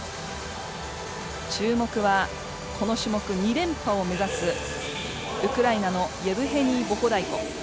注目は、この種目２連覇を目指すウクライナのイェブヘニー・ボホダイコ。